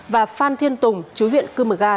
và phan thiên tùng chú huyện cư mờ ga